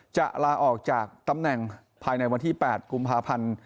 จะลาออกจากตำแหน่งภายในวันที่๘กุมภาพันธ์